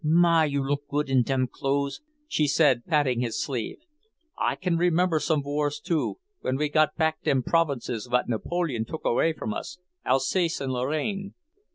"My, you look good in dem clothes," she said patting his sleeve. "I can remember some wars, too; when we got back dem provinces what Napoleon took away from us, Alsace and Lorraine.